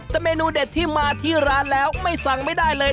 แต่เมนูเด็ดที่มาที่ร้านแล้วไม่สั่งไม่ได้เลย